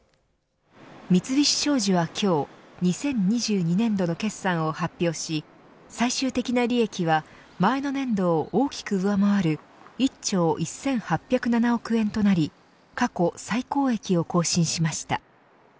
三菱商事は今日２０２２年度の決算を発表し最終的な利益は前の年度を大きく上回る１兆１８０７億円となり過去最高益を更新しました。